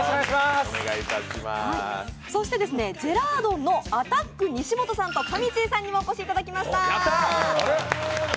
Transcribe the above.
そしてジェラードンのアタック西本さんとかみちぃさんにもお越しいただきました。